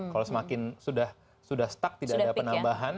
kalau semakin sudah stuck tidak ada penambahan